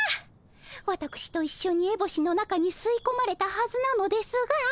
わたくしといっしょにエボシの中にすいこまれたはずなのですが。